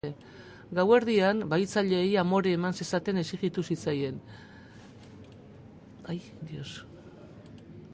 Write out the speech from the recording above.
Gauerdian, bahitzaileei amore eman zezaten exijitu zitzaien.